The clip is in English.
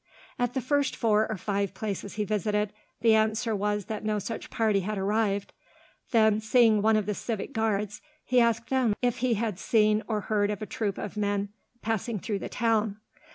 At the first four or five places he visited, the answer was that no such party had arrived; then, seeing one of the civic guards, he asked him if he had seen or heard of a troop of men passing through the town.